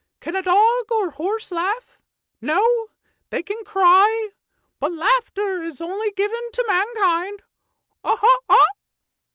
Can a dog or a horse laugh? No, they can cry, but laughter is only given to mankind. Ho ! ho